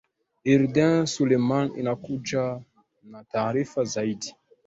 urdin suleman inakuja na taarifa zaidi